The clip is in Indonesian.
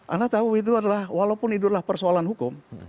anda tahu itu adalah walaupun itu adalah persoalan hukum